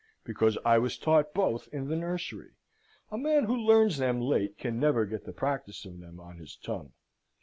because I was taught both in the nursery. A man who learns them late can never get the practice of them on his tongue.